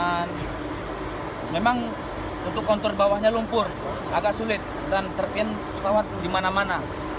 dan memang untuk kontur bawahnya lumpur agak sulit dan serpin pesawat di mana mana